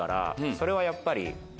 それはやっぱり。